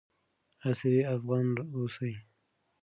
عصري افغان اوسئ.